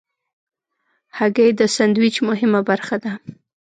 هګۍ د سندویچ مهمه برخه ده.